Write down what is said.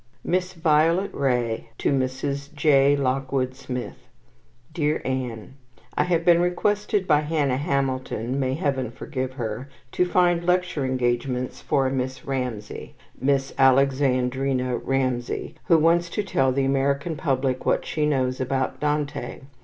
Miss Violet Wray to Mrs. J. Lockwood Smith DEAR ANN, I have been requested by Hannah Hamilton may Heaven forgive her! to find lecture engagements for a Miss Ramsay, Miss Alexandrina Ramsay, who wants to tell the American public what she knows about Dante.